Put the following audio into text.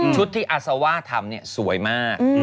ชุดที่อาซาว่าทำสวยมาก